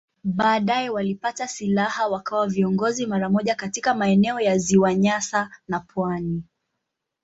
Baadaye walipata silaha wakawa viongozi mara moja katika maeneo ya Ziwa Nyasa na pwani.